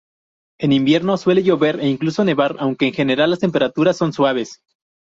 En invierno suele llover e incluso nevar, aunque en general las temperaturas son suaves.